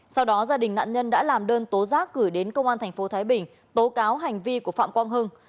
sau đó gia đình nạn nhân đã làm đơn tố giác gửi đến công an tp thái bình tố cáo hành vi của phạm quang hưng